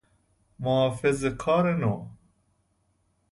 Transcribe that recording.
محافظه کار نو